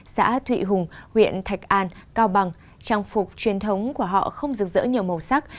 xã thụy hùng huyện thạch an cao bằng trang phục truyền thống của họ không rực rỡ nhiều màu sắc